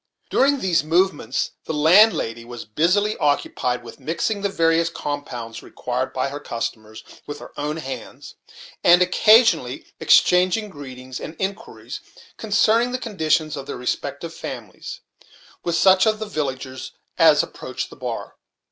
During these movements the landlady was busily occupied with mixing the various compounds required by her customers, with her own hands, and occasionally exchanging greetings and inquiries concerning the conditions of their respective families, with such of the villagers as approached the bar.